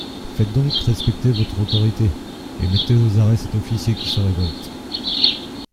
Faites-donc respecter votre autorité, et mettez aux arrêts cet officier qui se révolte.